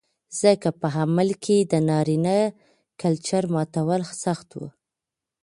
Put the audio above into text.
ځکه په عمل کې د نارينه کلچر ماتول سخت و